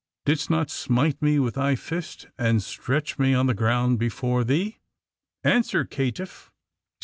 ^^ Didst not smite me with thy fist and stretch me on the ground be fore thee? Answer, caitiff